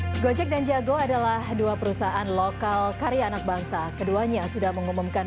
hai gojek dan jago adalah dua perusahaan lokal karya anak bangsa keduanya sudah mengumumkan